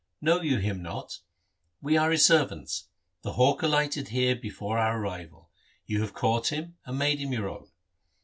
Know you him not ? We are his servants. The hawk alighted here before our arrival. You have caught him, and made him your own.